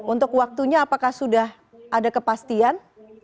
untuk waktunya apakah sudah ada kepastian